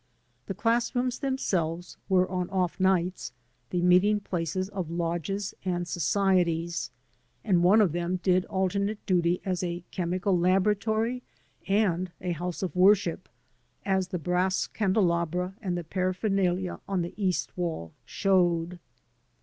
The class rooms themselves were on off nights the meeting places of lodges and societies, and one of them did alternate duty as a chemical laboratory and a house of worship, as the brass candela bra and the paraphernalia on the east wall showed.